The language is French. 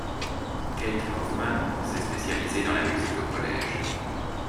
Kate Hoffmann s'est spécialisée dans la musique au collège.